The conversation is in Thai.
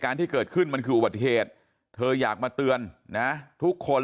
ที่เกิดขึ้นมันคืออุบัติเหตุเธออยากมาเตือนนะทุกคน